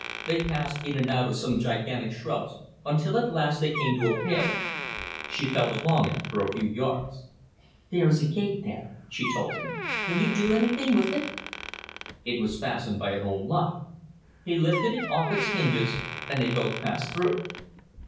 They passed in and out of some gigantic shrubs until at last they came to a paling. She felt along it for a few yards. "There is a gate there," she told him. "Can you do anything with it?" It was fastened by an old lock. He lifted it off its hinges, and they both passed through.